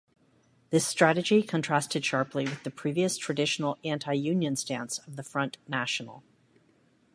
This strategy contrasted sharply with the previous traditional anti-union stance of the Front National.